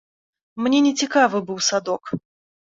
Мне нецікавы быў садок.